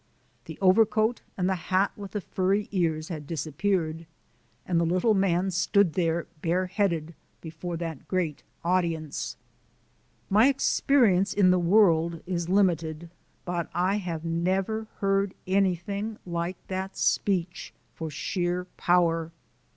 The overcoat and the hat with the furry ears had disappeared, and the little man stood there bare headed, before that great audience. My experience in the world is limited, but I have never heard anything like that speech for sheer power.